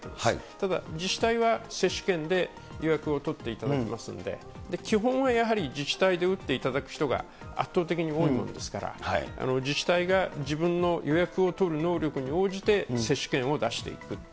ただ、自治体は接種券で予約を取っていただきますんで、基本はやはり自治体で打っていただく人が圧倒的に多いものですから、自治体が自分の予約を取る能力に応じて、接種券を出していく。